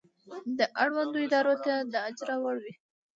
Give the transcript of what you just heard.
دا اړوندو ادارو ته د اجرا وړ وي.